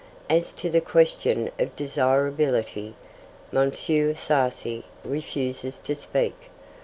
As to the question of desirability, M. Sarcey refuses to speak.